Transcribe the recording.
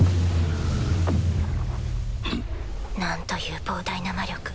何という膨大な魔力。